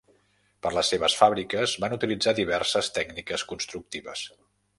Per les seves fàbriques van utilitzar diverses tècniques constructives.